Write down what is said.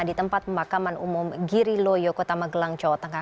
di tempat pemakaman umum giri loyo kota magelang jawa tengah